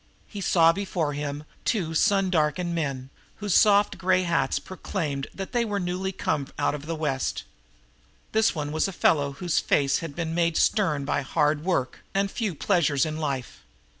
He saw before him two sun darkened men whose soft gray hats proclaimed that they were newly come out of the West. The one was a fellow whose face had been made stern by hard work and few pleasures in life.